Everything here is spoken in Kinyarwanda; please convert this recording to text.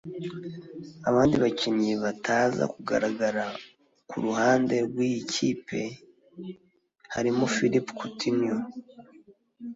Abandi bakinnyi bataza kugaragara ku ruahnde rw'iyi kipe harimo Phillipe Coutinho